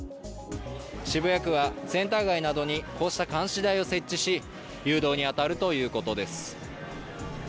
渋谷区はセンター街などにこうした監視台を設置し誘導に当たるということです。